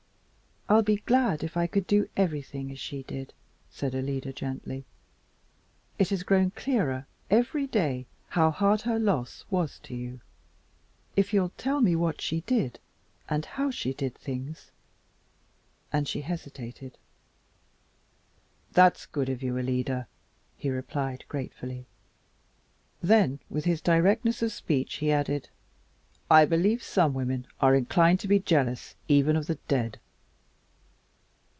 "I'd be glad if I could do everything as she did," said Alida gently. "It has grown clearer every day how hard her loss was to you. If you'll tell me what she did and how she did things " and she hesitated. "That's good of you, Alida," he replied gratefully. Then, with his directness of speech, he added, "I believe some women are inclined to be jealous even of the dead."